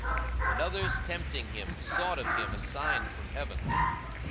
42:011:016 And others, tempting him, sought of him a sign from heaven.